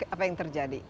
apa yang terjadi